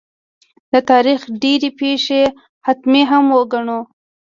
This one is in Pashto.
د تاریخ ډېرې پېښې حتمي هم وګڼو.